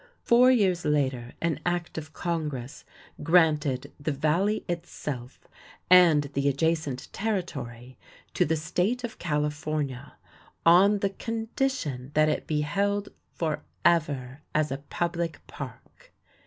Four years later an act of Congress granted the Valley itself and the adjacent territory to the State of California on the condition that it be held forever as a public park.